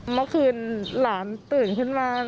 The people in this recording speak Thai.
เมื่อคืนหลานตื่นขึ้นมา